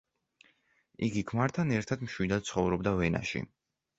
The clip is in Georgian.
იგი ქმართან ერთად მშვიდად ცხოვრობდა ვენაში.